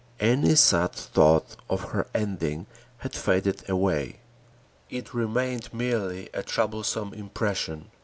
Any sad thought of her ending had faded away. It remained merely a troublesome impression.